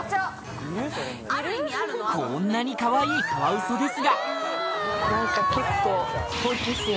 こんなにかわいいカワウソですが結構。